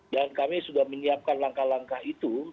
dan kami sudah menyiapkan langkah langkah itu